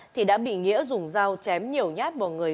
thì đã bị nghĩa dùng dao chém nhiều nhát vào người